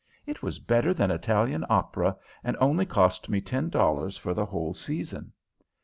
It was better than Italian opera, and only cost me ten dollars for the whole season."